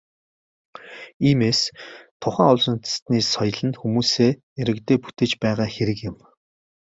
Иймээс, тухайн улс үндэстний соёл нь хүмүүсээ, иргэдээ бүтээж байгаа хэрэг юм.